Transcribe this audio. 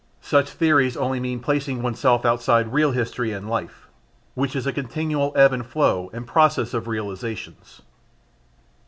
Such theories only mean placing oneself outside real history and life, which is a continual ebb and flow and process of realisations.